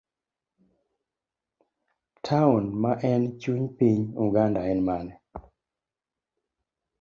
Taon ma en chuny piny Uganda en mane?